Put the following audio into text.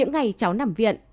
ngày cháu nằm viện